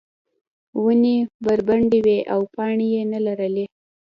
ونې بربنډې وې او پاڼې یې نه لرلې.